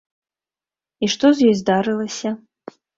І што з ёй здарылася?